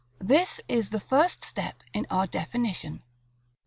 This is the first step in our definition.